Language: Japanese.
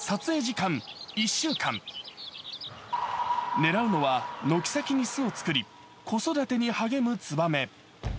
狙うのは軒先に巣を作り子育てに励むツバメ。